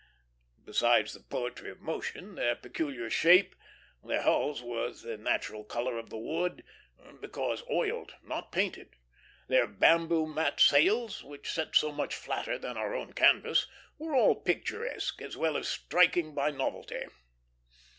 Besides the poetry of motion, their peculiar shape, their hulls with the natural color of the wood, because oiled, not painted, their bamboo mat sails, which set so much flatter than our own canvas, were all picturesque, as well as striking by novelty.